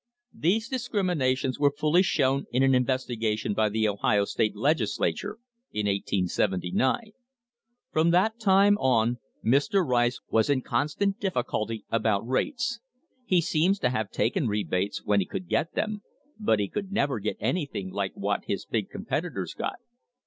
These discriminations were fully shown in an investigation by the Ohio State Legis THE HISTORY OF THE STANDARD OIL COMPANY lature in 1879. From that time on Mr. Rice was in constant difficulty about rates. He seems to have taken rebates when he could get them, but he could never get anything like what his big competitors got.